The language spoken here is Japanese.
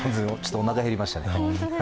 おなか減りましたね。